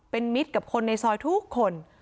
เป็นมิตรกับคนในซอยทุกคน